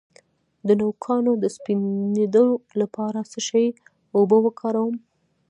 د نوکانو د سپینیدو لپاره د څه شي اوبه وکاروم؟